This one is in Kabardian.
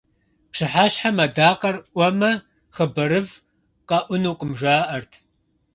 Пщыхьэщхьэм адакъэр Ӏуэмэ, хъыбарыфӀ къэӀунукъым жаӀэрт.